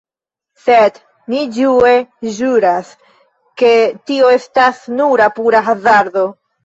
Sed ni ĝue ĵuras, ke tio estas nura pura hazardo.